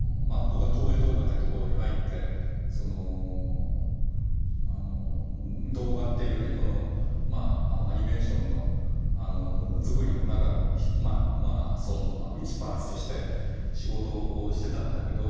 僕は東映動画ってところに入って動画っていうこのアニメーション作りの中の一パーツとして仕事をしてたんだけど。